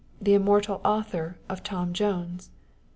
the immortal Author of Tom Jones.